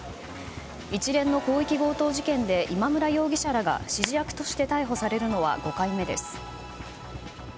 一連の広域強盗事件で今村容疑者らが指示役として逮捕されるのは５回目です。